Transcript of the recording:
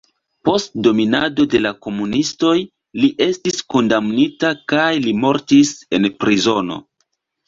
Post dominado de la komunistoj li estis kondamnita kaj li mortis en prizono.